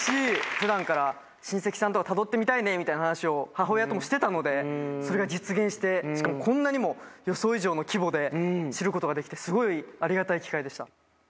普段から親戚さんとかたどってみたいねみたいな話を母親ともしてたのでそれが実現してしかもこんなにも予想以上の規模で知ることができてすごいありがたい機会でした。